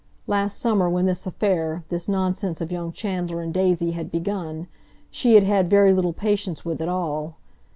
Last summer, when this affair, this nonsense of young Chandler and Daisy had begun, she had had very little patience with it all.